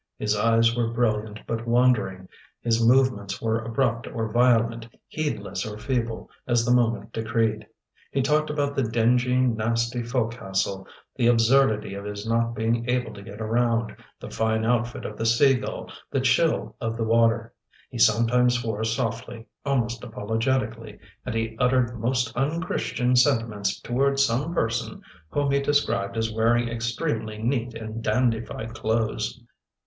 His eyes were brilliant but wandering, his movements were abrupt or violent, heedless or feeble, as the moment decreed. He talked about the dingy, nasty fo'cas'le, the absurdity of his not being able to get around, the fine outfit of the Sea Gull, the chill of the water. He sometimes swore softly, almost apologetically, and he uttered most unchristian sentiments toward some person whom he described as wearing extremely neat and dandified clothes.